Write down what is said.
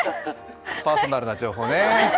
パーソナルな情報、ね。